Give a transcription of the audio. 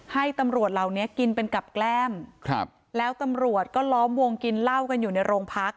ให้ตำรวจเหล่านี้กินเป็นกับแกล้มครับแล้วตำรวจก็ล้อมวงกินเหล้ากันอยู่ในโรงพัก